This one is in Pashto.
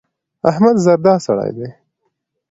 احمد زردا سړی دی.